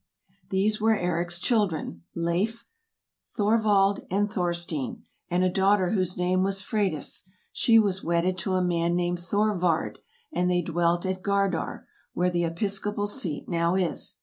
These were Eric's children: Leif, Thorvald, and Thorstein, and a daughter whose name was Freydis; she was wedded to a man named Thorvard, and they dwelt at Gardar, where the episcopal seat now is.